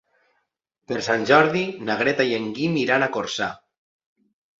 Per Sant Jordi na Greta i en Guim iran a Corçà.